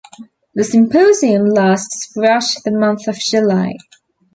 The symposium lasts throughout the month of July.